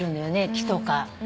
木とか。